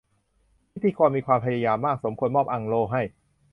พิธีกรมีความพยายามมาก สมควรมอบอังโล่ให้